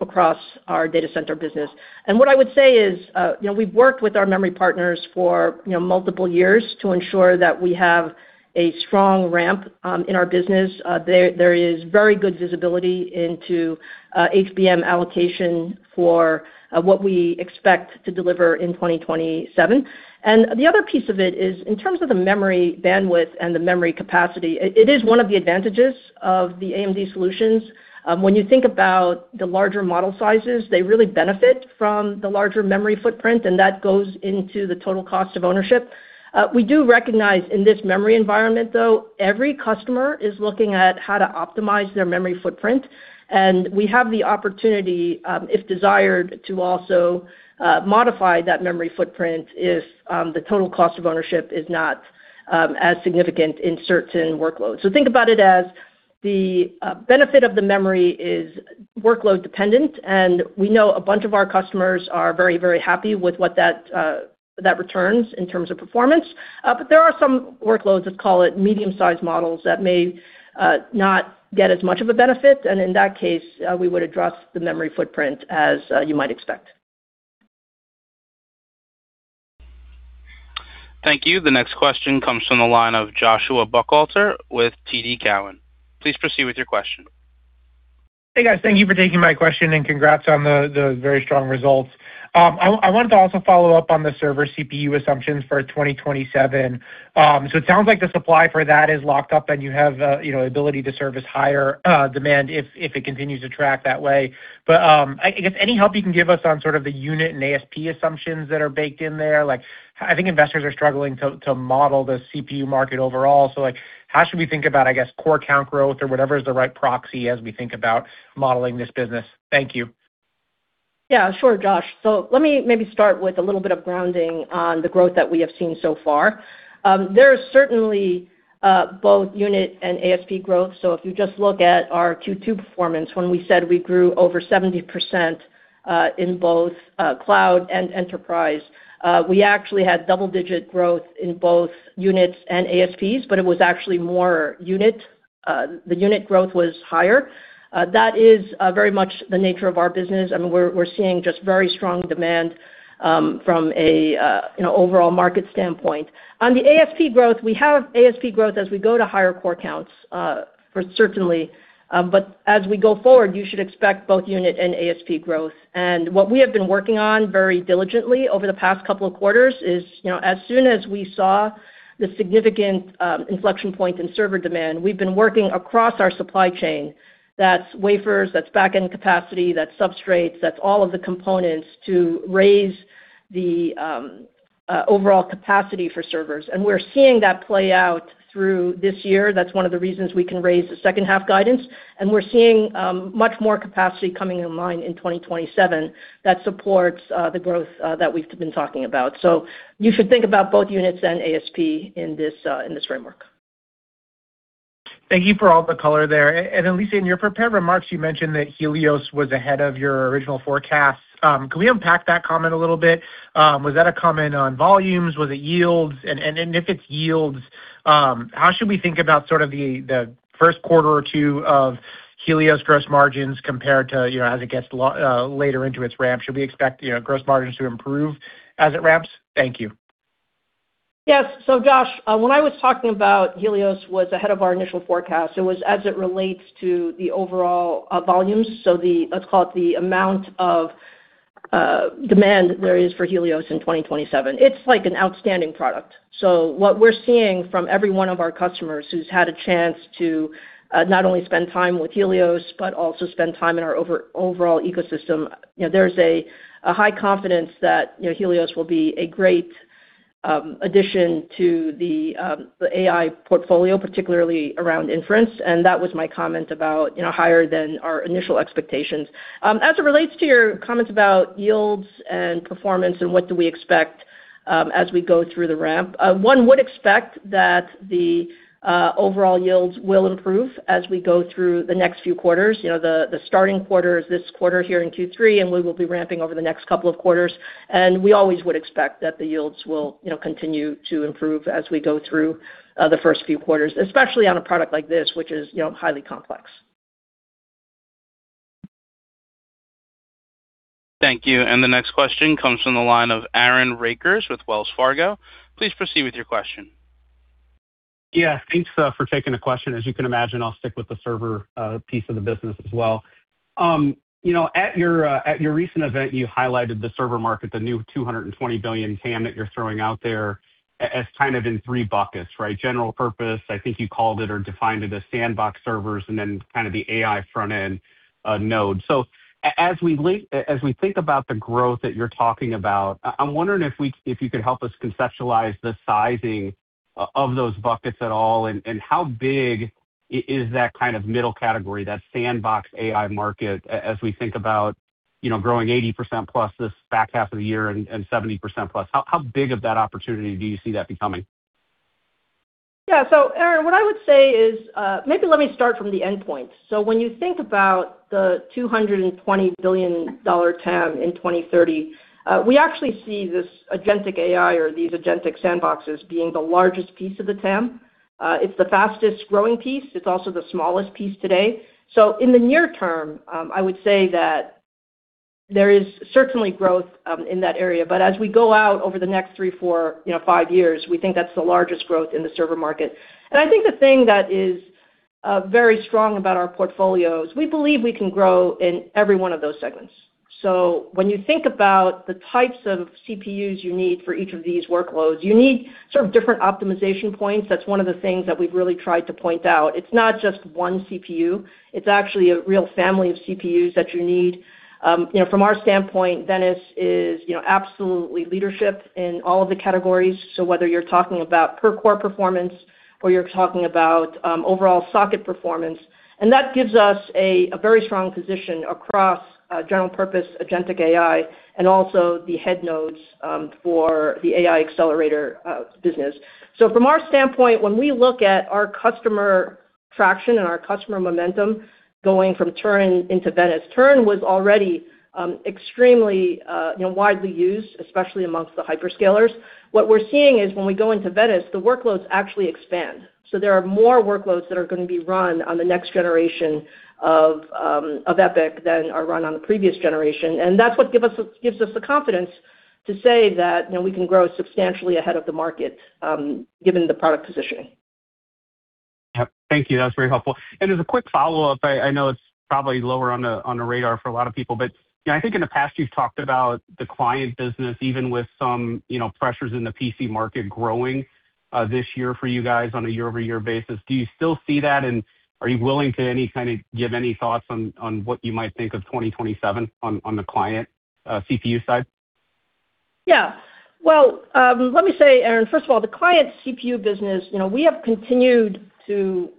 across our data center business. What I would say is we've worked with our memory partners for multiple years to ensure that we have a strong ramp in our business. There is very good visibility into HBM allocation for what we expect to deliver in 2027. The other piece of it is, in terms of the memory bandwidth and the memory capacity, it is one of the advantages of the AMD solutions. When you think about the larger model sizes, they really benefit from the larger memory footprint, and that goes into the total cost of ownership. We do recognize in this memory environment, though, every customer is looking at how to optimize their memory footprint, and we have the opportunity, if desired, to also modify that memory footprint if the total cost of ownership is not as significant in certain workloads. Think about it as the benefit of the memory is workload-dependent, and we know a bunch of our customers are very happy with what that returns in terms of performance. There are some workloads, let's call it medium-sized models, that may not get as much of a benefit, and in that case, we would address the memory footprint as you might expect. Thank you. The next question comes from the line of Joshua Buchalter with TD Cowen. Please proceed with your question. Hey, guys. Thank you for taking my question and congrats on the very strong results. I wanted to also follow up on the server CPU assumptions for 2027. It sounds like the supply for that is locked up and you have the ability to service higher demand if it continues to track that way. I guess any help you can give us on sort of the unit and ASP assumptions that are baked in there, I think investors are struggling to model the CPU market overall. How should we think about, I guess, core count growth or whatever is the right proxy as we think about modeling this business? Thank you. Yeah, sure, Josh. Let me maybe start with a little bit of grounding on the growth that we have seen so far. There is certainly both unit and ASP growth. If you just look at our Q2 performance, when we said we grew over 70% in both cloud and enterprise, we actually had double-digit growth in both units and ASPs, but it was actually more unit. The unit growth was higher. That is very much the nature of our business, and we're seeing just very strong demand from an overall market standpoint. On the ASP growth, we have ASP growth as we go to higher core counts, for certainly. As we go forward, you should expect both unit and ASP growth. What we have been working on very diligently over the past couple of quarters is, as soon as we saw the significant inflection point in server demand, we've been working across our supply chain. That's wafers, that's back-end capacity, that's substrates, that's all of the components to raise the overall capacity for servers. We're seeing that play out through this year. That's one of the reasons we can raise the second half guidance, and we're seeing much more capacity coming in line in 2027 that supports the growth that we've been talking about. You should think about both units and ASP in this framework. Thank you for all the color there. Lisa, in your prepared remarks, you mentioned that Helios was ahead of your original forecast. Can we unpack that comment a little bit? Was that a comment on volumes? Was it yields? If it's yields, how should we think about the first quarter or two of Helios gross margins compared to as it gets later into its ramp? Should we expect gross margins to improve as it ramps? Thank you. Yes. Josh, when I was talking about Helios was ahead of our initial forecast, it was as it relates to the overall volumes. Let's call it the amount of demand there is for Helios in 2027. It's like an outstanding product. What we're seeing from every one of our customers who's had a chance to not only spend time with Helios, but also spend time in our overall ecosystem, there's a high confidence that Helios will be a great addition to the AI portfolio, particularly around inference. That was my comment about higher than our initial expectations. As it relates to your comments about yields and performance and what do we expect as we go through the ramp, one would expect that the overall yields will improve as we go through the next few quarters. The starting quarter is this quarter here in Q3, we will be ramping over the next couple of quarters. We always would expect that the yields will continue to improve as we go through the first few quarters, especially on a product like this, which is highly complex. Thank you. The next question comes from the line of Aaron Rakers with Wells Fargo. Please proceed with your question. Yeah. Thanks for taking the question. As you can imagine, I'll stick with the server piece of the business as well. At your recent event, you highlighted the server market, the new $220 billion TAM that you're throwing out there as kind of in three buckets, right? General purpose, I think you called it or defined it as sandbox servers, and then kind of the AI front-end node. As we think about the growth that you're talking about, I'm wondering if you could help us conceptualize the sizing of those buckets at all, and how big is that kind of middle category, that sandbox AI market, as we think about growing 80%+ this back half of the year and 70%+. How big of that opportunity do you see that becoming? Aaron, what I would say is, maybe let me start from the endpoint. When you think about the $220 billion TAM in 2030, we actually see this agentic AI or these agentic sandboxes being the largest piece of the TAM. It's the fastest-growing piece. It's also the smallest piece today. In the near term, I would say that there is certainly growth in that area. As we go out over the next three, four, five years, we think that's the largest growth in the server market. I think the thing that is very strong about our portfolio is we believe we can grow in every one of those segments. When you think about the types of CPUs you need for each of these workloads, you need different optimization points. That's one of the things that we've really tried to point out. It's not just one CPU, it's actually a real family of CPUs that you need. From our standpoint, Venice is absolutely leadership in all of the categories. Whether you're talking about per-core performance or you're talking about overall socket performance, that gives us a very strong position across general purpose agentic AI, and also the head nodes for the AI accelerator business. From our standpoint, when we look at our customer traction and our customer momentum going from Turin into Venice, Turin was already extremely widely used, especially amongst the hyperscalers. What we're seeing is when we go into Venice, the workloads actually expand. There are more workloads that are going to be run on the next generation of EPYC than are run on the previous generation. That's what gives us the confidence to say that we can grow substantially ahead of the market, given the product positioning. Yep. Thank you. That was very helpful. As a quick follow-up, I know it's probably lower on the radar for a lot of people, but I think in the past you've talked about the client business, even with some pressures in the PC market growing, this year for you guys on a year-over-year basis. Do you still see that and are you willing to give any thoughts on what you might think of 2027 on the client CPU side? Yeah. Well, let me say, Aaron, first of all, the client CPU business, we have continued to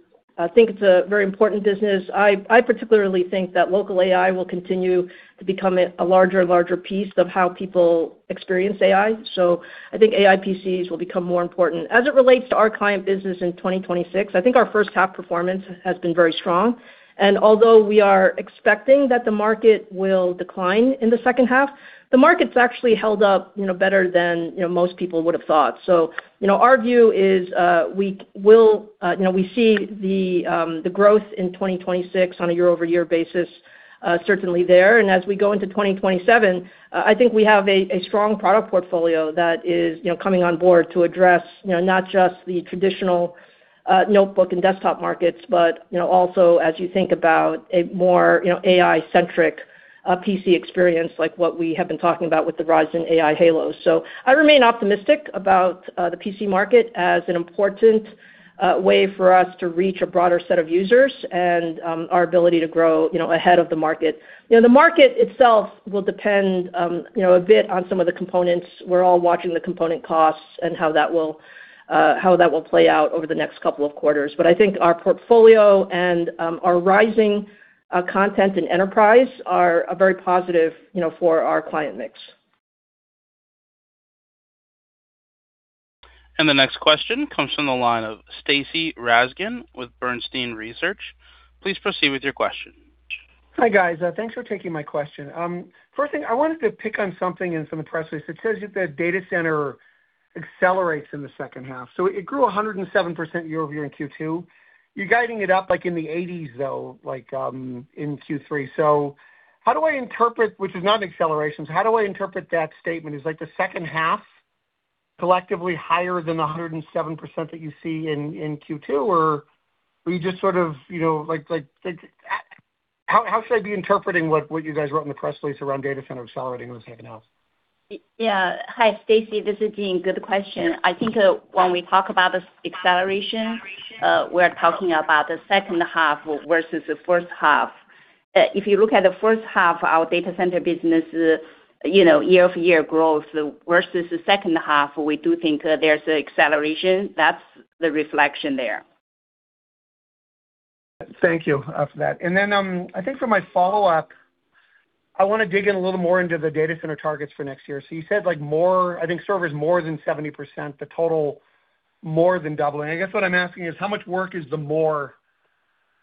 think it's a very important business. I particularly think that local AI will continue to become a larger piece of how people experience AI. I think AI PCs will become more important. As it relates to our client business in 2026, I think our first half performance has been very strong, and although we are expecting that the market will decline in the second half, the market's actually held up better than most people would have thought. Our view is, we see the growth in 2026 on a year-over-year basis, certainly there. As we go into 2027, I think we have a strong product portfolio that is coming on board to address not just the traditional notebook and desktop markets, but also as you think about a more AI-centric PC experience, like what we have been talking about with the Ryzen AI Halo. I remain optimistic about the PC market as an important way for us to reach a broader set of users and our ability to grow ahead of the market. The market itself will depend a bit on some of the components. We're all watching the component costs and how that will play out over the next couple of quarters. I think our portfolio and our rising content in enterprise are very positive for our client mix. The next question comes from the line of Stacy Rasgon with Bernstein Research. Please proceed with your question. Hi, guys. Thanks for taking my question. First thing, I wanted to pick on something in some press release. It says that data center accelerates in the second half. It grew 107% year-over-year in Q2. You're guiding it up like in the 80s, though, like in Q3. How do I interpret, which is not an acceleration, how do I interpret that statement? Is the second half collectively higher than the 107% that you see in Q2? How should I be interpreting what you guys wrote in the press release around data center accelerating what's happened now? Hi, Stacy, this is Jean. Good question. I think when we talk about acceleration, we're talking about the second half versus the first half. If you look at the first half, our data center business year-over-year growth versus the second half, we do think there's acceleration. That's the reflection there. Thank you for that. I think for my follow-up, I want to dig in a little more into the data center targets for next year. You said servers more than 70%, the total more than doubling. I guess what I'm asking is, how much work is the more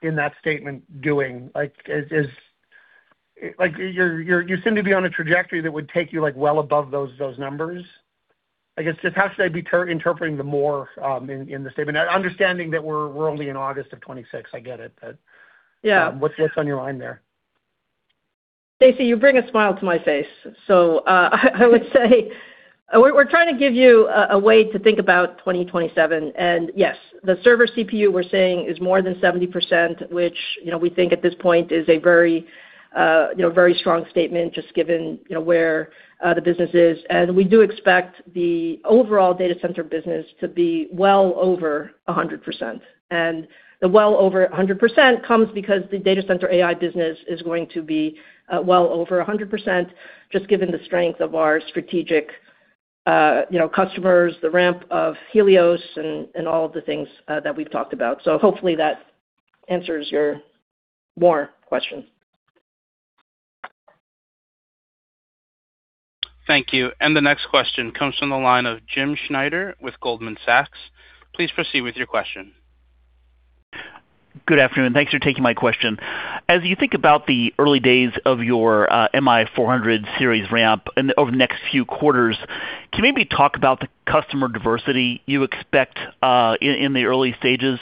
in that statement doing? You seem to be on a trajectory that would take you well above those numbers. I guess, just how should I be interpreting the more in the statement? Understanding that we're only in August of 2026. I get it. Yeah What's on your mind there? Stacy, you bring a smile to my face. I would say, we're trying to give you a way to think about 2027. Yes, the server CPU we're saying is more than 70%, which we think at this point is a very strong statement, just given where the business is. We do expect the overall data center business to be well over 100%. The well over 100% comes because the data center AI business is going to be well over 100%, just given the strength of our strategic customers, the ramp of Helios and all of the things that we've talked about. Hopefully that answers your more question. Thank you. The next question comes from the line of James Schneider with Goldman Sachs. Please proceed with your question. Good afternoon. Thanks for taking my question. As you think about the early days of your MI400 series ramp and over the next few quarters, can you maybe talk about the customer diversity you expect in the early stages?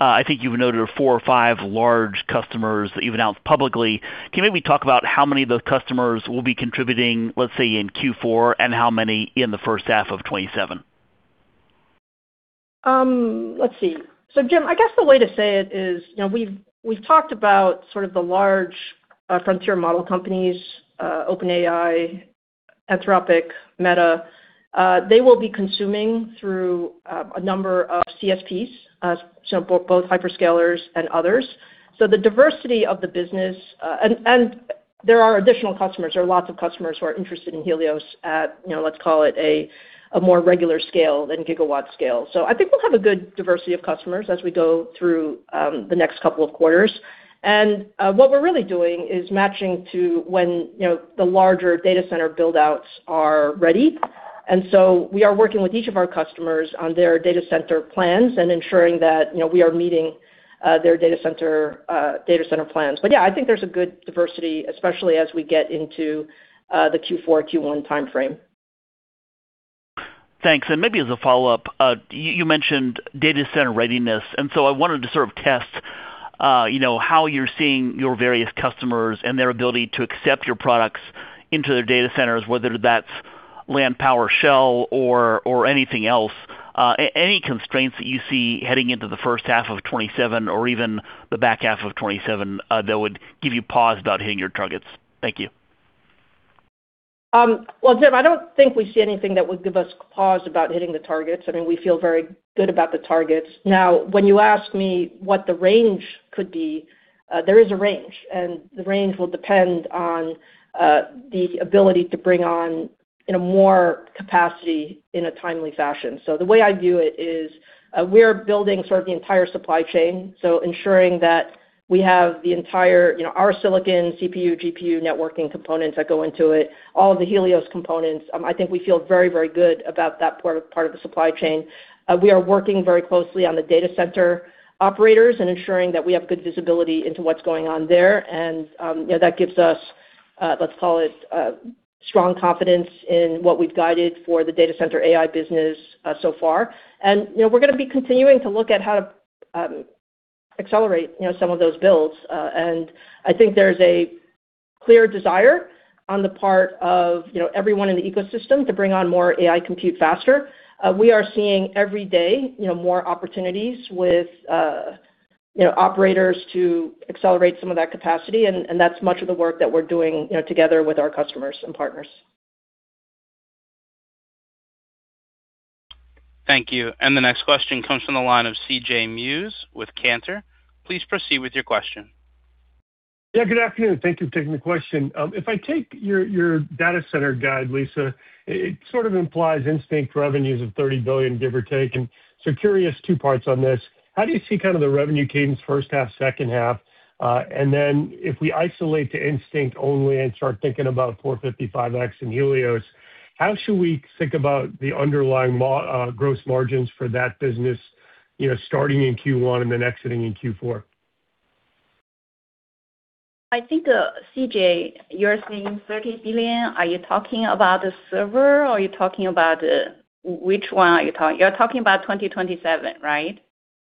I think you've noted four or five large customers that you've announced publicly. Can you maybe talk about how many of those customers will be contributing, let's say, in Q4, and how many in the first half of 2027? Let's see. Jim, I guess the way to say it is, we've talked about sort of the large frontier model companies, OpenAI, Anthropic, Meta. They will be consuming through a number of CSPs, both hyperscalers and others. The diversity of the business. There are additional customers. There are lots of customers who are interested in Helios at, let's call it, a more regular scale than gigawatt scale. I think we'll have a good diversity of customers as we go through the next couple of quarters. What we're really doing is matching to when the larger data center build-outs are ready. We are working with each of our customers on their data center plans and ensuring that we are meeting their data center plans. Yeah, I think there's a good diversity, especially as we get into the Q4, Q1 timeframe. Thanks. Maybe as a follow-up, you mentioned data center readiness, I wanted to sort of test how you're seeing your various customers and their ability to accept your products into their data centers, whether that's land, power, shell, or anything else. Any constraints that you see heading into the first half of 2027 or even the back half of 2027 that would give you pause about hitting your targets? Thank you. Well, Jim, I don't think we see anything that would give us pause about hitting the targets. I mean, we feel very good about the targets. Now, when you ask me what the range could be, there is a range, and the range will depend on the ability to bring on more capacity in a timely fashion. The way I view it is we're building sort of the entire supply chain, ensuring that we have our silicon, CPU, GPU, networking components that go into it, all of the Helios components. I think we feel very, very good about that part of the supply chain. We are working very closely on the data center operators and ensuring that we have good visibility into what's going on there. That gives us, let's call it, strong confidence in what we've guided for the data center AI business so far. We're going to be continuing to look at how to accelerate some of those builds. I think there's a clear desire on the part of everyone in the ecosystem to bring on more AI compute faster. We are seeing every day more opportunities with operators to accelerate some of that capacity, and that's much of the work that we're doing together with our customers and partners. Thank you. The next question comes from the line of C.J. Muse with Cantor. Please proceed with your question. Yeah, good afternoon. Thank you for taking the question. If I take your data center guide, Lisa, it sort of implies Instinct revenues of $30 billion, give or take. Curious, two parts on this. How do you see kind of the revenue cadence first half, second half? If we isolate to Instinct only and start thinking about MI455X and Helios, how should we think about the underlying gross margins for that business starting in Q1 and then exiting in Q4? I think, C.J., you're saying $30 billion. Are you talking about the server or which one are you talking? You're talking about 2027, right?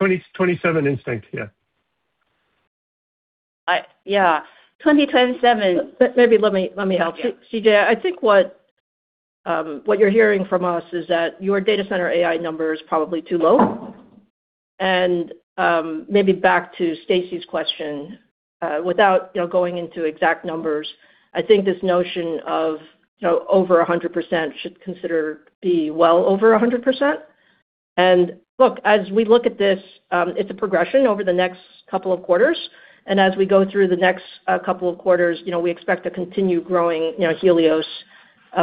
2027 Instinct, yeah. Yeah. 2027- Maybe let me help you. C.J., I think what you're hearing from us is that your data center AI number is probably too low. Maybe back to Stacy's question, without going into exact numbers, I think this notion of over 100% should consider be well over 100%. Look, as we look at this, it's a progression over the next couple of quarters. As we go through the next couple of quarters, we expect to continue growing Helios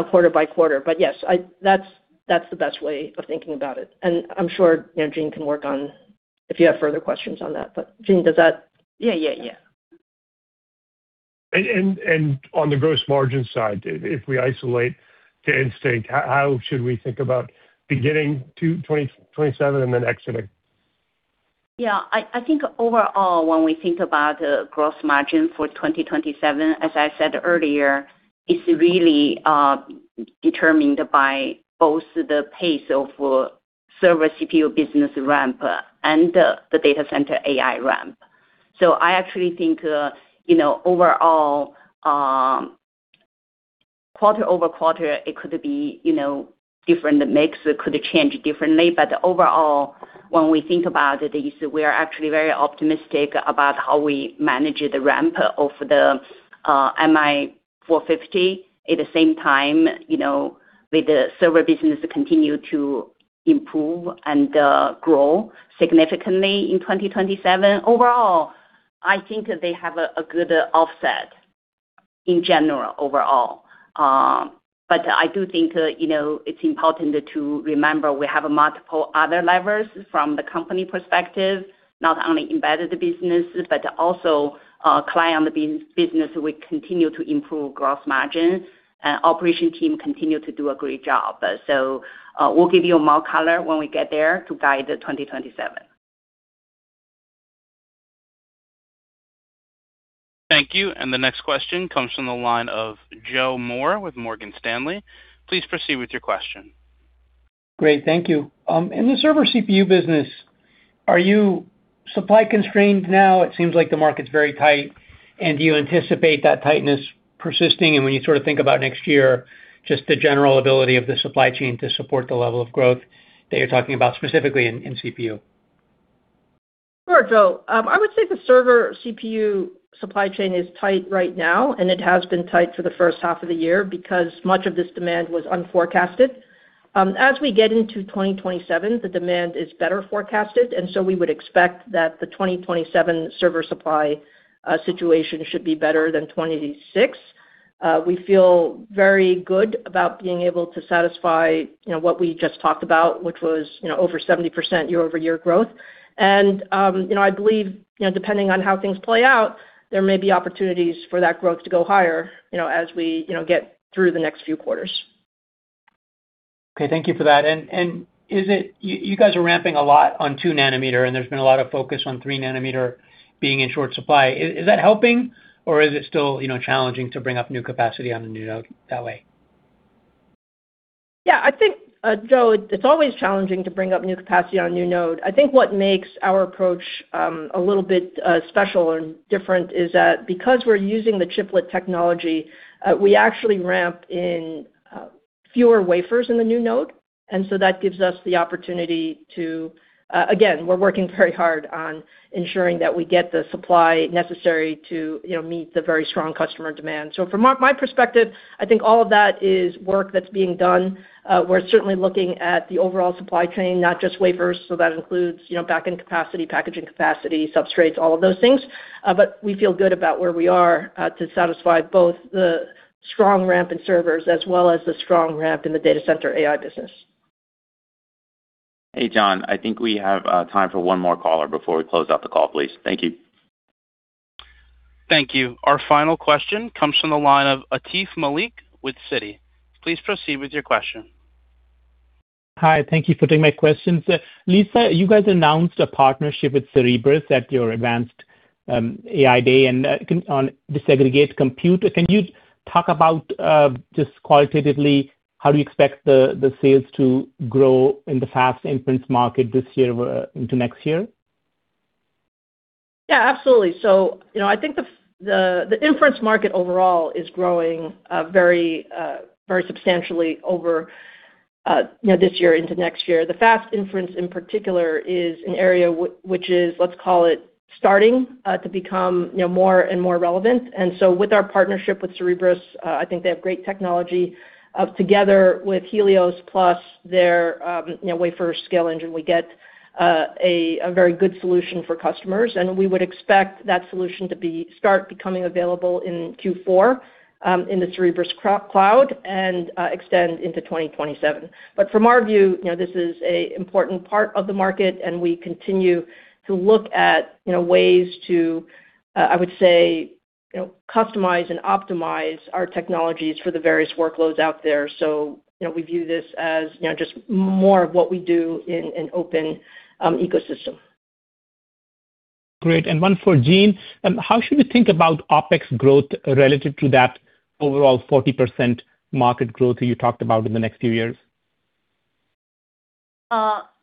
quarter by quarter. Yes, that's the best way of thinking about it. I'm sure Jean can work on if you have further questions on that. Jean, does that? Yeah. On the gross margin side, if we isolate to Instinct, how should we think about beginning 2027 and then exiting? Yeah, I think overall, when we think about gross margin for 2027, as I said earlier, it's really determined by both the pace of server CPU business ramp and the data center AI ramp. I actually think overall, quarter-over-quarter, it could be different mix, it could change differently. Overall, when we think about this, we are actually very optimistic about how we manage the ramp of the MI450. At the same time, with the server business continue to improve and grow significantly in 2027. Overall, I think they have a good offset In general, overall. I do think it's important to remember we have multiple other levers from the company perspective, not only embedded businesses but also client business will continue to improve gross margin. Operation team continue to do a great job. We'll give you more color when we get there to guide the 2027. Thank you. The next question comes from the line of Joseph Moore with Morgan Stanley. Please proceed with your question. Great. Thank you. In the server CPU business, are you supply constrained now? It seems like the market's very tight, do you anticipate that tightness persisting? When you sort of think about next year, just the general ability of the supply chain to support the level of growth that you are talking about specifically in CPU. Sure, Joe. I would say the server CPU supply chain is tight right now, it has been tight for the first half of the year because much of this demand was unforecasted. As we get into 2027, the demand is better forecasted, we would expect that the 2027 server supply situation should be better than 2026. We feel very good about being able to satisfy what we just talked about, which was over 70% year-over-year growth. I believe, depending on how things play out, there may be opportunities for that growth to go higher as we get through the next few quarters. Okay. Thank you for that. You guys are ramping a lot on two nanometer and there has been a lot of focus on three nanometer being in short supply. Is that helping or is it still challenging to bring up new capacity on the new node that way? I think, Joe, it's always challenging to bring up new capacity on new node. I think what makes our approach, a little bit special and different is that because we're using the chiplet technology, we actually ramp in fewer wafers in the new node. That gives us the opportunity to again, we're working very hard on ensuring that we get the supply necessary to meet the very strong customer demand. From my perspective, I think all of that is work that's being done. We're certainly looking at the overall supply chain, not just wafers. That includes back-end capacity, packaging capacity, substrates, all of those things. We feel good about where we are to satisfy both the strong ramp in servers as well as the strong ramp in the data center AI business. Hey, John, I think we have time for one more caller before we close out the call, please. Thank you. Thank you. Our final question comes from the line of Atif Malik with Citi. Please proceed with your question. Hi. Thank you for taking my questions. Lisa, you guys announced a partnership with Cerebras at your Advancing AI Day on disaggregate compute. Can you talk about, just qualitatively, how do you expect the sales to grow in the fast inference market this year into next year? Yeah, absolutely. I think the inference market overall is growing very substantially over this year into next year. The fast inference, in particular, is an area which is, let's call it, starting to become more and more relevant. With our partnership with Cerebras Systems, I think they have great technology together with Helios plus their Wafer Scale Engine, we get a very good solution for customers, and we would expect that solution to start becoming available in Q4 in the Cerebras Cloud and extend into 2027. From our view, this is an important part of the market, and we continue to look at ways to, I would say, customize and optimize our technologies for the various workloads out there. We view this as just more of what we do in an open ecosystem. Great. One for Jean. How should we think about OpEx growth relative to that overall 40% market growth that you talked about in the next few years? Yeah.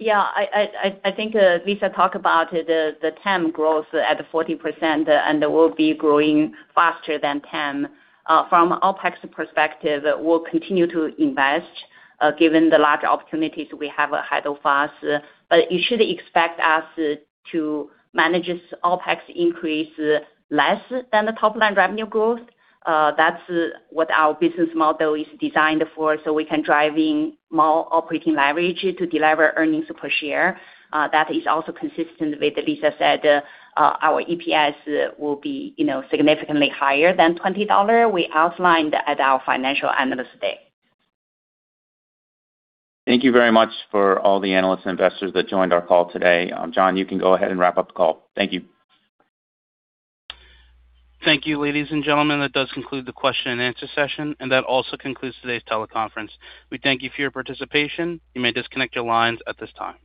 I think Lisa talked about the TAM growth at 40% and will be growing faster than TAM. From OpEx perspective, we'll continue to invest given the large opportunities we have ahead of us. You should expect us to manage this OpEx increase less than the top-line revenue growth. That's what our business model is designed for, so we can drive in more operating leverage to deliver EPS. That is also consistent with Lisa said our EPS will be significantly higher than $20 we outlined at our Financial Analyst Day. Thank you very much for all the analysts and investors that joined our call today. John, you can go ahead and wrap up the call. Thank you. Thank you, ladies and gentlemen. That does conclude the question-and-answer session, and that also concludes today's teleconference. We thank you for your participation. You may disconnect your lines at this time.